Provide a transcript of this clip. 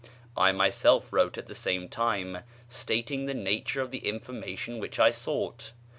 I myself wrote at the same time, stating the nature of the information which I sought.